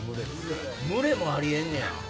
群れもあり得んねや。